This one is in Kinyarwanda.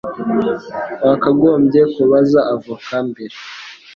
Wakagombye kubaza avoka mbere